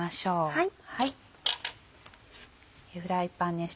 はい。